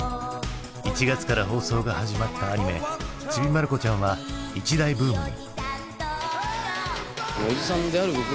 １月から放送が始まったアニメ「ちびまる子ちゃん」は一大ブームに。